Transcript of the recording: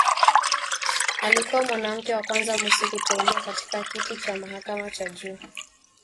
Alikuwa mwanamke wa kwanza mweusi kuteuliwa katika kiti cha mahakama ya juu